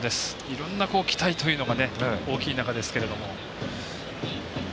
いろんな期待というのが大きい中ですけど。